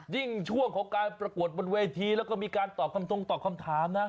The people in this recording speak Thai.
ยิ่งช่วงของการประกวดบนเวทีแล้วก็มีการตอบคำทงตอบคำถามนะ